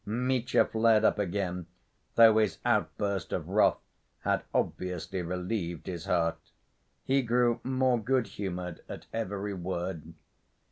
Mitya flared up again, though his outburst of wrath had obviously relieved his heart. He grew more good‐ humored at every word.